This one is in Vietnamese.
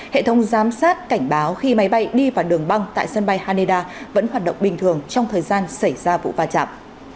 hệ thống giám sát cảnh báo khi máy bay đi vào đường băng tại sân bay haneda vẫn hoạt động bình thường trong thời gian xảy ra vụ va chạm